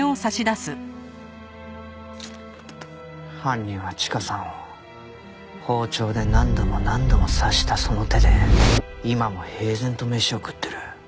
犯人はチカさんを包丁で何度も何度も刺したその手で今も平然と飯を食ってる。